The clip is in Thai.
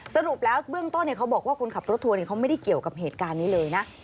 สรุปแล้วเบื้องต้นเขาบอกว่าคนขับรถทัวร์เขาไม่ได้เกี่ยวกับเหตุการณ์นี้เลยนะ